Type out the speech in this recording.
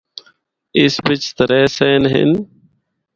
اس بچ ترّے صحن ہن۔